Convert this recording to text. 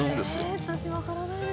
ええ私分からないです。